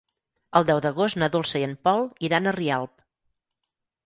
El deu d'agost na Dolça i en Pol iran a Rialp.